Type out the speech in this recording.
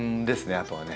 あとはね